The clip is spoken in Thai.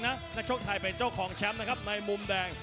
นักชกไทยเป็นเจ้าของแชมป์นะครับในมุมแดง